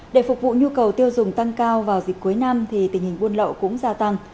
để phục vụ nhu cầu tiêu dùng tăng cao vào dịp cuối năm thì tình hình buôn lậu cũng gia tăng